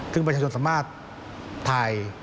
ซึ่งประชาชนสามารถถ่าย